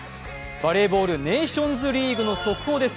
バレーボールネーションズリーグの速報です。